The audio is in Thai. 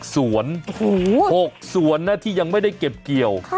สวน๖สวนนะที่ยังไม่ได้เก็บเกี่ยว